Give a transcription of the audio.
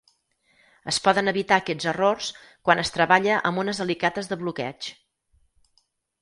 Es poden evitar aquests errors quan es treballa amb unes alicates de bloqueig.